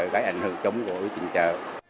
cái ảnh hưởng chống của chính chờ